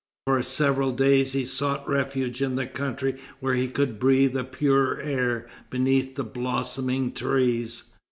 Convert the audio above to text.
For several days he sought refuge in the country where he could breathe a purer air beneath the blossoming trees.